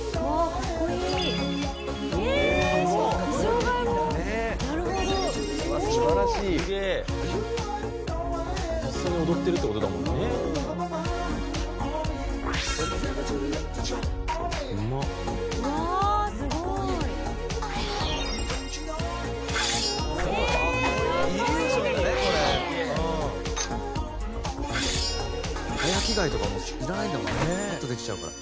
「かっこいいですね！」「早着替えとかもいらないんだもんパッとできちゃうから」